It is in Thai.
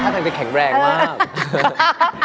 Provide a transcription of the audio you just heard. สามารถไปแข็งแรงมาก